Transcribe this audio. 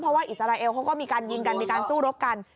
เพราะว่าอิสราเอลเขาก็มีการยิงกันมีการสู้รบกัน